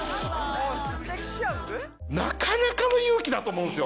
なかなかの勇気だと思うんですよ。